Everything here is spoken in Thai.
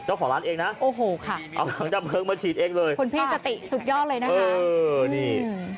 เจ้าของร้านเองนะเอาถังดับเพลิงมาฉีดเองเลยคุณพี่สติสุดยอดเลยนะคะโอ้โหค่ะอื้อนี่